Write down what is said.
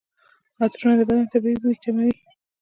عطرونه د بدن طبیعي بوی کموي.